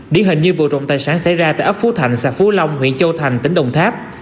điển hình như vụ trộm tài sản xảy ra tại ấp phú thạnh xã phú long huyện châu thành tỉnh đồng tháp